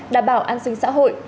đảm bảo an sinh xã hội